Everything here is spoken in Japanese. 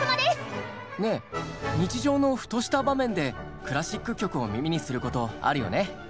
ねえ日常のふとした場面でクラシック曲を耳にすることあるよね？